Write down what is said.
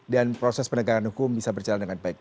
dan proses penegakan hukum bisa berjalan dengan baik